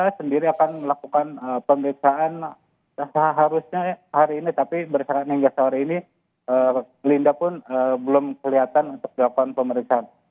saya sendiri akan melakukan pemeriksaan seharusnya hari ini tapi berdasarkan hingga sehari ini linda pun belum kelihatan untuk dilakukan pemeriksaan